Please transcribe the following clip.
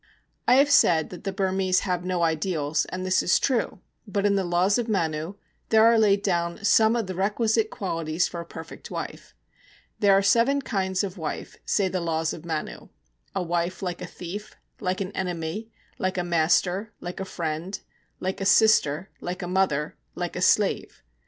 I have said that the Burmese have no ideals, and this is true; but in the Laws of Manu there are laid down some of the requisite qualities for a perfect wife. There are seven kinds of wife, say the Laws of Manu: a wife like a thief, like an enemy, like a master, like a friend, like a sister, like a mother, like a slave.